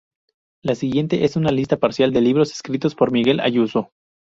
La siguiente es una lista parcial de libros escritos por Miguel Ayuso